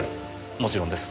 もちろんです。